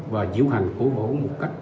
và diễu hành cổ vũ một cách